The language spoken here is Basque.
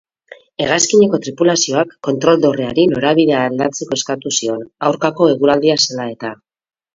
Hegazkineko tripulazioak kontrol-dorreari norabidea aldatzeko eskatu zion, aurkako eguraldia zela eta.